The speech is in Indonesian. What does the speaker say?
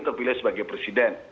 terpilih sebagai presiden